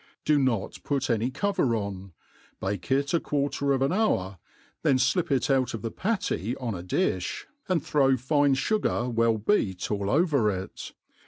Do not put any cover on, bake it a quarter of an hour, then flip it out of the patty on a diih, and throw fine fugar well beat all over it.